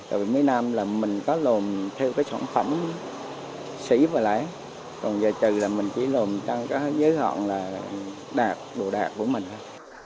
tại vì mấy nam là mình có lồn theo cái sản phẩm sĩ và lãi còn về từ là mình chỉ lồn trong cái giới hạn là đạt đồ đạt của mình thôi